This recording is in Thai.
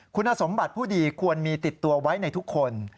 คุณสมบัติผู้ดีควรมีติดตัวไว้ในทุกคน